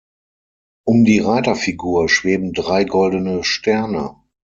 Um die Reiterfigur schweben drei goldene Sterne.